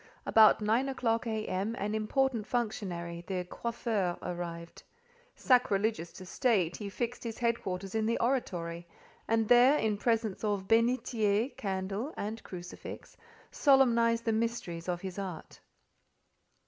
About nine o'clock A.M., an important functionary, the "coiffeur," arrived. Sacrilegious to state, he fixed his head quarters in the oratory, and there, in presence of bénitier, candle, and crucifix, solemnised the mysteries of his art.